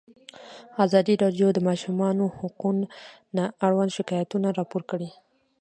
ازادي راډیو د د ماشومانو حقونه اړوند شکایتونه راپور کړي.